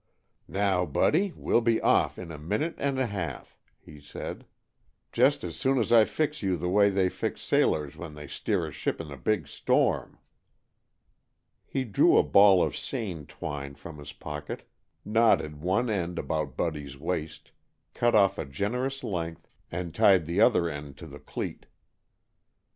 "Now, Buddy, we'll be off in a minute and a half," he said, "just as soon as I fix you the way they fix sailors when they steer a ship in a big storm." He drew a ball of seine twine from his pocket, knotted one end about Buddy's waist, cut off a generous length, and tied the other end to the cleat.